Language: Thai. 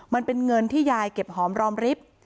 มันเป็นเงินที่ยายเก็บหอมรอมริฟท์